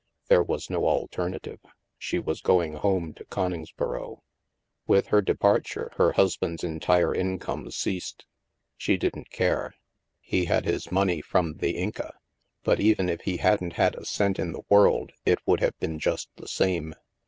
There was no alternative. She was going home to Coningsboro. With her departure, her husband's entire income ceased. She didn't care. He had his money from the " Inca "; but even if he hadn't had a cent in the world, it would have been Just the same.